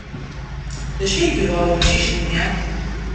D acu ay yebɣa wemcic-nni?